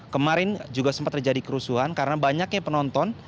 kemarin juga sempat terjadi kerusuhan karena banyaknya penonton